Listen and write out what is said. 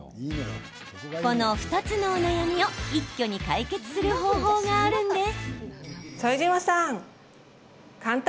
この２つのお悩みを一挙に解決する方法があるんです。